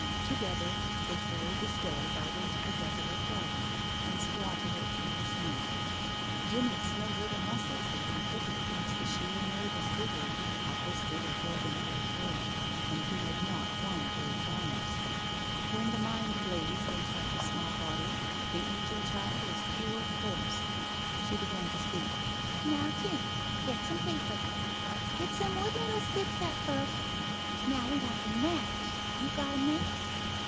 Together they carried the stove out into the desolate garden and squatted it in the snow. Jimmie's snug little muscles had been pitted against the sheer nervous vigor of this little golden haired girl, and he had not won great honors. When the mind blazed inside the small body, the angel child was pure force. She began to speak: "Now, Jim, get some paper. Get some wood little sticks at first. Now we want a match. You got a match?